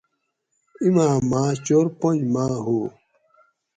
ایما ماۤں چور پنج ماۤ ہو